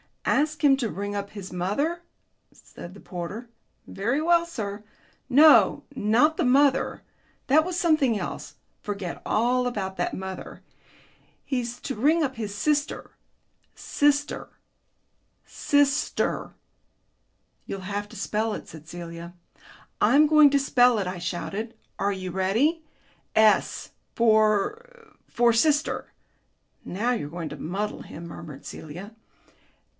"Ask him to ring up his mother," said the porter. "Very well, sir." "No, not the mother. That was something else. Forget all about that mother. He's to ring up his sister ... sister ... SISTER." "You'll have to spell it," said Celia. "I'm going to spell it," I shouted. "Are you ready? ... S for for sister." "Now you're going to muddle him," murmured Celia.